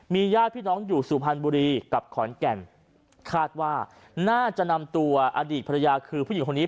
ญาติพี่น้องอยู่สุพรรณบุรีกับขอนแก่นคาดว่าน่าจะนำตัวอดีตภรรยาคือผู้หญิงคนนี้